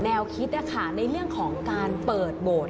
แนวคิดในเรื่องของการเปิดโบสถ์